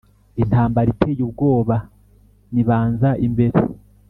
Intambara iteye ubwoba nyibanza imbere